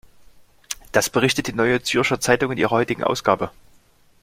Das berichtet die Neue Zürcher Zeitung in ihrer heutigen Ausgabe.